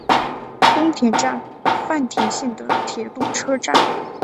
宫田站饭田线的铁路车站。